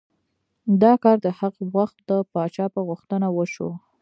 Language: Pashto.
دا کار د هغه وخت د پادشاه په غوښتنه وشو.